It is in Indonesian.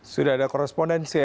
sudah ada korespondensi